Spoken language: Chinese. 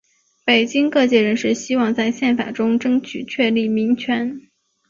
北京各界人士希望在宪法中争取确立民权。